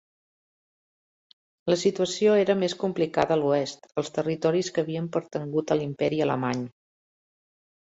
La situació era més complicada a l'Oest, als territoris que havien pertangut a l'Imperi Alemany.